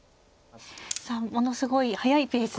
さあものすごい速いペースで。